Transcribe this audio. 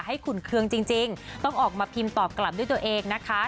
ขุ่นเครื่องจริงต้องออกมาพิมพ์ตอบกลับด้วยตัวเองนะคะ